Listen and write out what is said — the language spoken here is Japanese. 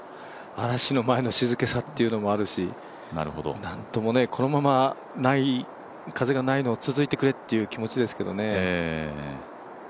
嵐の前の静けさというのもあるし何ともね、このまま風がないのが続いてくれって気持ちですけどね。